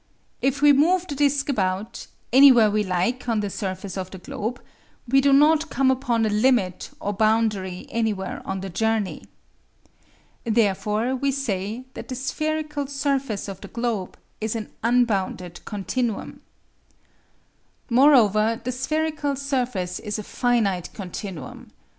If we move the disc about, anywhere we like, on the surface of the globe, we do not come upon a limit or boundary anywhere on the journey. Therefore we say that the spherical surface of the globe is an unbounded continuum. Moreover, the spherical surface is a finite continuum.